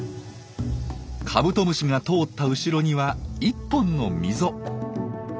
カブトムシが通った後ろには１本の溝。